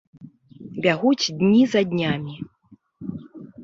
Бягуць дні за днямі.